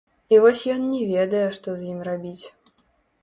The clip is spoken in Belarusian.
І вось ён не ведае, што з ім рабіць.